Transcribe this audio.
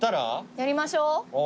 やりましょう。